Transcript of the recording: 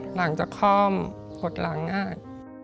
หลังจะคล่อมหลักหลังง่าย